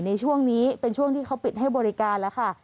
ในช่วงนี้เป็นช่วงที่เขาปิดให้บริการแล้วค่ะ